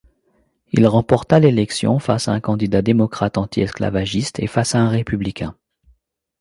Il remporta l'élection face à un candidat démocrate anti-esclavagiste et face à un républicain.